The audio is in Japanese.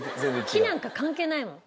木なんか関係ないもん。